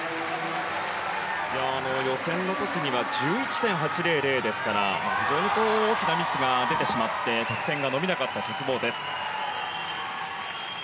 予選の時には１１．８００ですから非常に大きなミスが出てしまって得点が伸びなかった鉄棒です。